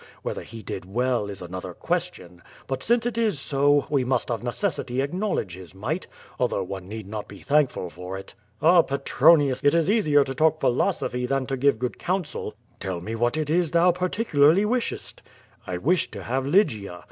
Whether he did well, is another question, but since it is so, we must of necessity acknowledge his might, although one need not be thankful for it." "Ah, Petronius, it is easier to talk philosophy than to give good counsel." QUO VADIS, 13 "Tell me what is it thou particularly wishest? "I wish to have Lygia.